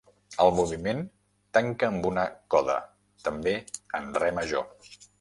El moviment tanca amb una coda, també en Re major.